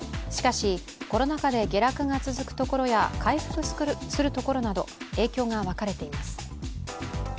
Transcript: しかし、コロナ禍で下落が続くところや回復するところなど影響が分かれています。